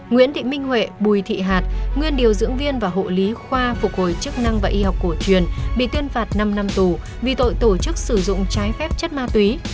nguyễn thị minh huệ bùi thị hạt nguyên điều dưỡng viên và hộ lý khoa phục hồi chức năng và y học cổ truyền bị tuyên phạt năm năm tù vì tội tổ chức sử dụng trái phép chất ma túy